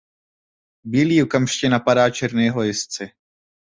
Bílý okamžitě napadá černého jezdce.